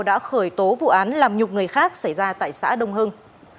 đã khởi tố vụ án làm nhục người khác xảy ra tại xã đông hưng